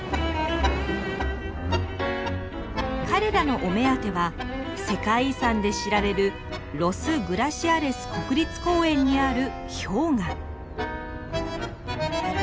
彼らのお目当ては世界遺産で知られるロス・グラシアレス国立公園にある氷河。